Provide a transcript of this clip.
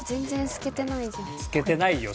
透けてないよ。